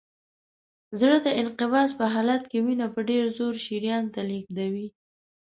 زړه د انقباض په حالت کې وینه په ډېر زور شریان ته لیږدوي.